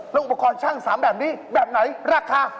แล้วอุปกรณ์ช่าง๓แบบนี้แบบไหนราคา